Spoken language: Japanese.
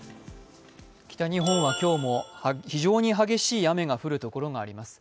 北日本は今日も非常に激しい雨が降るところがあります。